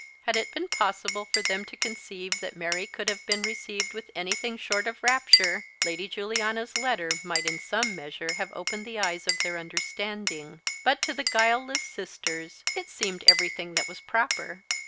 Had it been possible for them to conceive that Mary could have been received with anything short of rapture, Lady Juliana's letter might in some measure have opened the eyes of their understanding; but to the guileless sisters it seemed everything that was proper.